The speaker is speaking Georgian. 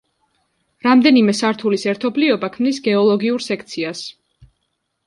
რამდენიმე სართულის ერთობლიობა ქმნის გეოლოგიურ სექციას.